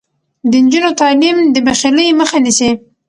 د نجونو تعلیم د بخیلۍ مخه نیسي.